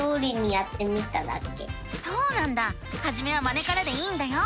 そうなんだはじめはまねからでいいんだよ！